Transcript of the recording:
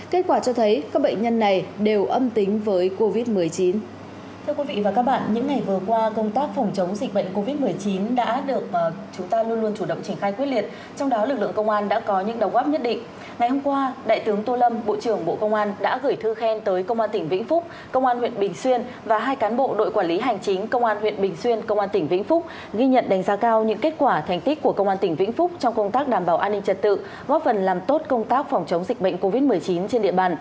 kết quả cho thấy các bệnh nhân này đều âm tính với covid một mươi chín